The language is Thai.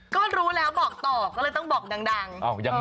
ก็รู้แล้วบอกต่อก็เลยต้องบอกดัง